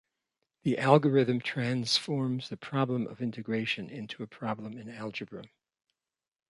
The algorithm transforms the problem of integration into a problem in algebra.